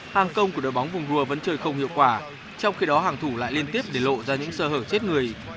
hàng công của đội bóng vùng đua vẫn chơi không hiệu quả trong khi đó hàng thủ lại liên tiếp để lộ ra những sơ hở chết người